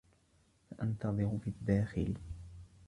سأنتظر في الدّاخل.